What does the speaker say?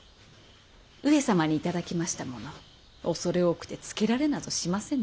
上様に頂きましたもの恐れ多くてつけられなどしませぬ。